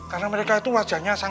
karena mereka itu wajahnya pak tatang